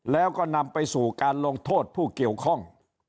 แล้วก็นำไปสู่การลงโทษผู้เกี่ยวข้อง